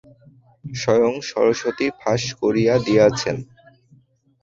স্বয়ং সরস্বতী ফাঁস করিয়া দিয়াছেন।